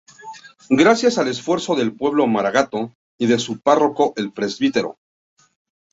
Gracias al esfuerzo del pueblo maragato y de su párroco el Pbro.